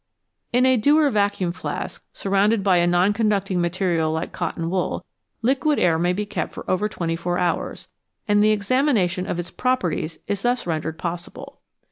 In a Dewar vacuum flask, surrounded by a non con ducting material like cotton wool, liquid air may be kept 188 V BELOW ZERO for over twenty four hours, and the examination of its properties is thus rendered possible.